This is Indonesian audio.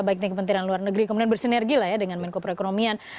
baiknya kementerian luar negeri kemudian bersinergi dengan menko proekonomian